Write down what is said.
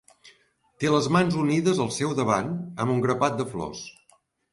Té les mans unides al seu davant amb un grapat de flors.